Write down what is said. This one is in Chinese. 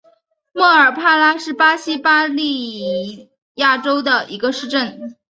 莫尔帕拉是巴西巴伊亚州的一个市镇。